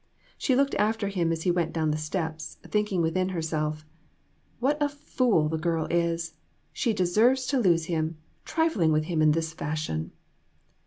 She looked after him as he went down the steps, thinking within herself " What a fool the girl is ! She deserves to lose him, trifling with him in this fashion."